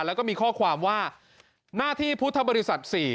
แล้วก็มีข้อความว่าหน้าที่พุทธบริษัท๔